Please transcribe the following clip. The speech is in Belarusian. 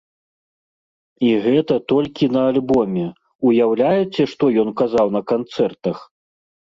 І гэта толькі на альбоме, уяўляеце што ён казаў на канцэртах?